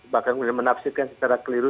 bahkan menafsirkan secara keliru